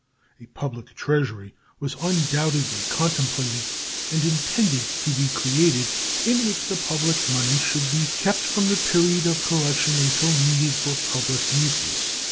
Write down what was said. A public treasury was undoubtedly contemplated and intended to be created, in which the public money should be kept from the period of collection until needed for public uses.